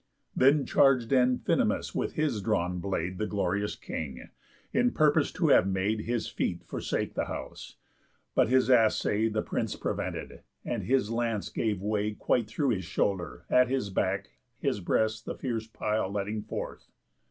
Then charg'd Amphinomus with his drawn blade The glorious king, in purpose to have made His feet forsake the house; but his assay The prince prevented, and his lance gave way Quite through his shoulder, at his back; his breast The fierce pile letting forth.